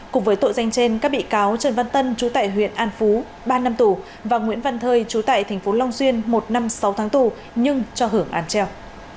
cùng với tội danh trên các bị cáo trần văn tân chú tại huyện an phú ba năm tù và nguyễn văn thơi chú tại tp long xuyên một năm sáu tháng tù nhưng cho hưởng án treo